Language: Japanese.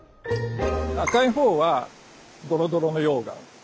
赤いほうはドロドロの溶岩。